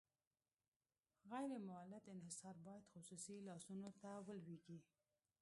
غیر مولد انحصار باید خصوصي لاسونو ته ولویږي.